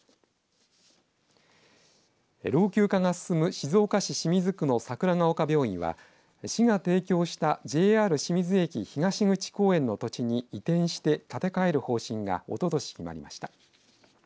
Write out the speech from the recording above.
老朽化が進む静岡市清水区の桜ヶ丘病院は市が提供したＪＲ清水駅東口公園の土地に移転して建て替える方針がおととし決まりました。